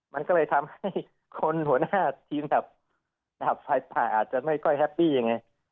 มันก็เลยทำให้คนหัวหน้าทีมดับไฟป่าอาจจะไม่ค่อยแฮปปี้ยังไง